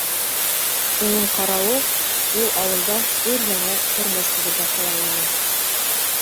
Уның ҡарауы, ул ауылда өр-яңы тормош төҙөргә хыяллана